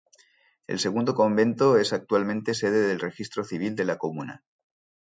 El segundo convento es actualmente sede del Registro Civil de la Comuna.